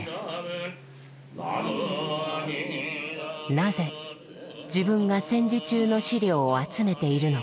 なぜ自分が戦時中の資料を集めているのか